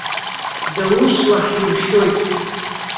Даушла ҳиршәоит.